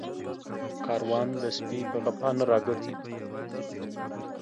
کاروان د سپي په غپا نه راگرځي